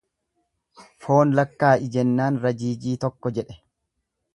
Foon lakkaa'i jennaan rajiijii tokko jedhe.